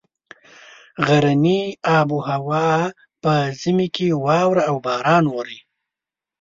غرني آب هوا په ژمي کې واوره او باران اوري.